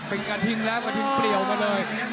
เป็นกระทิงแล้วกระทิงเปรียวมาเลย